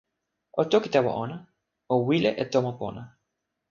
o toki tawa ona, o wile e tomo pona!